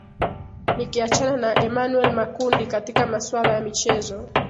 nikiachana na emmanuel makundi katika masuala ya michezo